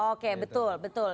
oke betul betul